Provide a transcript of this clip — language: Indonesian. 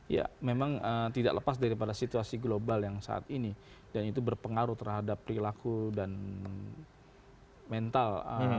ya memang tidak lepas daripada situasi global yang saat ini dan itu berpengaruh terhadap perilaku dan mental